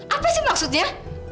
apa sih maksudnya